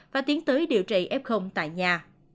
và tiến tới điều trị f tại nhà